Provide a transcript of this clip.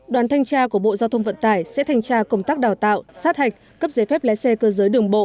đoàn thanh tra của bộ giao thông vận tải sẽ thanh tra công tác đào tạo sát hạch cấp giấy phép lái xe cơ giới đường bộ